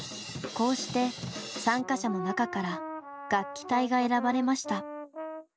こうして参加者の中から楽器隊が選ばれました。